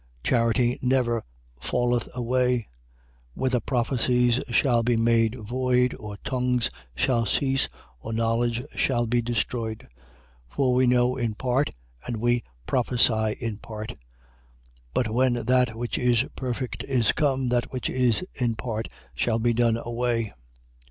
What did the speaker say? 13:8. Charity never falleth away: whether prophecies shall be made void or tongues shall cease or knowledge shall be destroyed. 13:9. For we know in part: and we prophesy in part. 13:10. But when that which is perfect is come, that which is in part shall be done away.